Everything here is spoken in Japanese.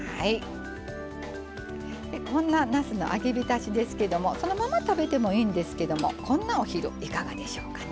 こんななすの揚げびたしですけどもそのまま食べてもいいんですけどもこんなお昼いかがでしょうかね。